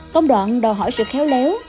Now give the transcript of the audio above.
công đoạn đòi hỏi sự khéo léo